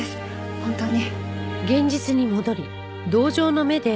本当に。